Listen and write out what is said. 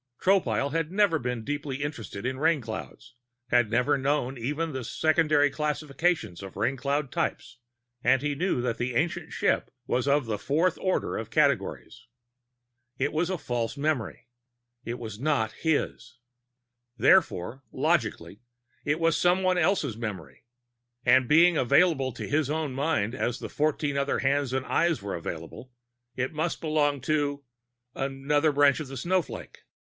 Tropile had never been deeply interested in Rainclouds, had never known even the secondary classifications of Raincloud types. And he knew that the Ancient Ship was of the fourth order of categories. It was a false memory. It was not his. Therefore, logically, it was someone else's memory; and being available to his own mind, as the fourteen other hands and eyes were available, it must belong to another branch of the snowflake.